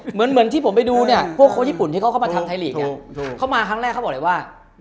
เหมือนที่ผมไปดูเนี่ยพวกโค้ชญี่ปุ่นที่เขาเข้ามาทำไทยลีกเนี่ยเขามาครั้งแรกเขาบอกเลยว่า